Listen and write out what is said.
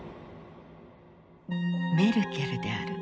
メルケルである。